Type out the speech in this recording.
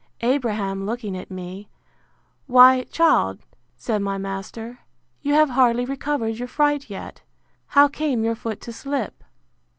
Abraham looking at me; Why, child, said my master, you have hardly recovered your fright yet: how came your foot to slip?